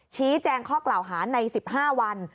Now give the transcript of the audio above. ชี้แจงข้อกล่าวหาใน๑๕วัน